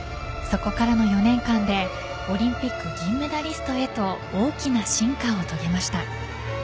そこからの４年間でオリンピック銀メダリストへと大きな進化を遂げました。